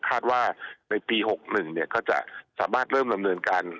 คาดว่าในปี๖๑ก็จะสามารถเริ่มดำเนินการ